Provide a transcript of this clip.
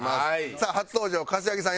さあ初登場柏木さん